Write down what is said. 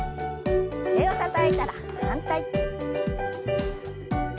手をたたいたら反対。